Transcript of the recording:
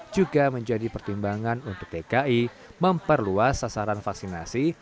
juga menjadi pertimbangan untuk dki memperluas sasaran vaksinasi